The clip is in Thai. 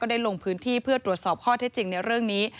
ได้ลงพื้นที่เพื่อตรวจสอบข้อเท็จจริงในเรื่องนี้